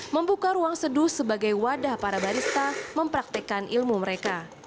membuka ruang seduh sebagai wadah para barista mempraktekkan ilmu mereka